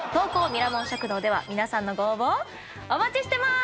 ミラモン食堂では皆さんのご応募をお待ちしてます！